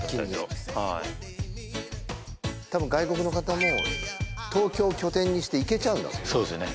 一気にはい多分外国の方も東京を拠点にして行けちゃうんだそうですよね